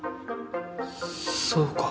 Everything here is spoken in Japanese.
そうか。